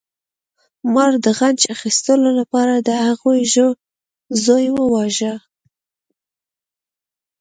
مار د غچ اخیستلو لپاره د هغه زوی وواژه.